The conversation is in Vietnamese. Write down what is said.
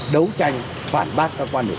đấu tranh phản bác các quan điểm